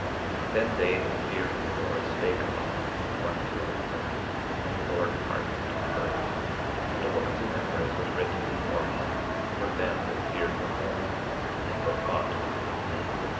24:16 Then they that feared the Lord spake often one to another, and the Lord hearkened and heard; and a book of remembrance was written before him for them that feared the Lord, and that thought upon his name.